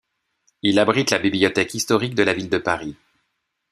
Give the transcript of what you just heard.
Il abrite la Bibliothèque historique de la ville de Paris.